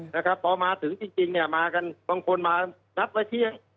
นะครับมาถึงจริงมากันบางคนมาสับละเทียง